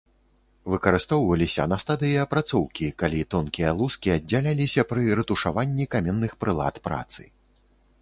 Выкарыстоўваліся на стадыі апрацоўкі, калі тонкія лускі аддзяляліся пры рэтушаванні каменных прылад працы.